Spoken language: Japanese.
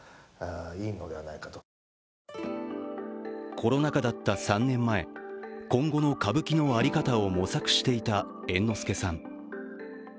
コロナ禍だった３年前、今後の歌舞伎の在り方を模索していた猿之助さん。